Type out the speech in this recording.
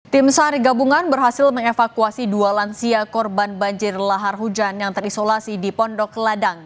tim sar gabungan berhasil mengevakuasi dua lansia korban banjir lahar hujan yang terisolasi di pondok ladang